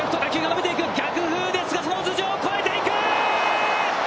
逆風ですが、頭上を越えていく！